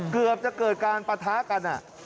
เกือบจะเกิดการปะทะกัน